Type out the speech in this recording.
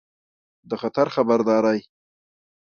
د خطر خبرداری